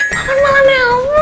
malah malah nelpon lagi